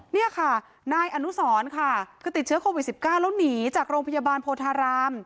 นี่ค่ะนายอนุสรค่ะคือติดเชื้อโควิด๑๙แล้วหนีจากโรงพยาบาลโพธาราม